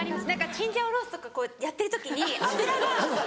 チンジャオロースーとかこうやってる時に油が。